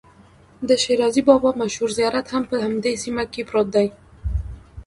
د شیرازي بابا مشهور زیارت هم په همدې سیمه کې پروت دی.